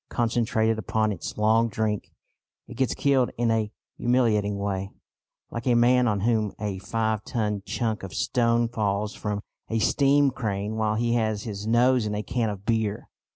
Concentrated upon its long drink, it gets killed in a humiliating way, like a man on whom a five ton chunk of stone falls from a steam crane while he has his nose in a can of beer.